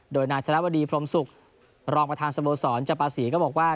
โดยนายธนวดีพรมศุกร์รองประธานสโมสรจำปาศีก็บอกว่า